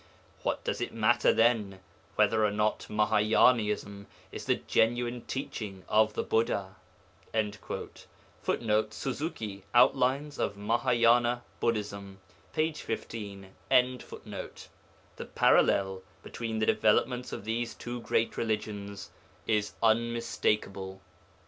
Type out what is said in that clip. What does it matter, then, whether or not Mahâyânaism is the genuine teaching of the Buddha?' [Footnote: Suzuki, Outlines of Mahâyâna Buddhism, p. 15.] The parallel between the developments of these two great religions is unmistakable.